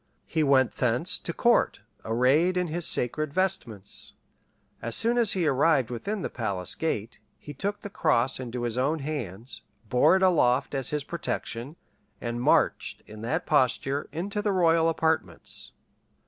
He went thence to court arrayed in his sacred vestments: as soon as he arrived within the palace gate, he took the cross into his own hands, bore it aloft as his protection, and marched in that posture into the royal apartments.